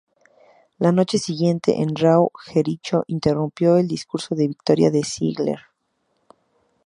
La noche siguiente en "Raw", Jericho interrumpió el discurso de victoria de Ziggler.